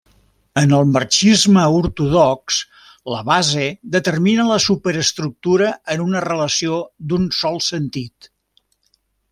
En el marxisme ortodox, la base determina la superestructura en una relació d'un sol sentit.